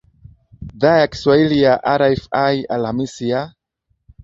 dhaa ya kiswahili ya rfi alhamisi ya